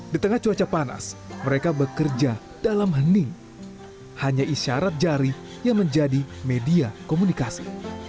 di tengah cuaca panas mereka bekerja dalam hening hanya isyarat jari yang menjadi media komunikasi